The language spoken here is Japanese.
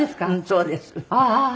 そうです。